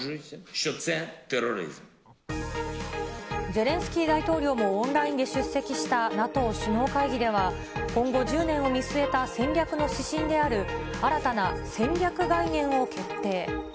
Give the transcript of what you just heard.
ゼレンスキー大統領もオンラインで出席したＮＡＴＯ首脳会議では、今後１０年を見据えた戦略の指針である、新たな戦略概念を決定。